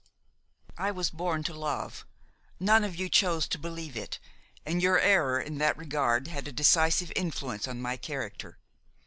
"I was born to love; none of you chose to believe it, and your error in that regard had a decisive influence on my character.